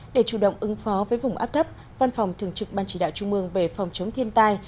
để chủ động ứng phó với vùng áp thấp văn phòng thường trực ban chỉ đạo trung mương về phòng chống thiên tai